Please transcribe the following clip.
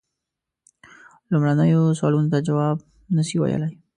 لومړنیو سوالونو ته جواب نه سي ویلای.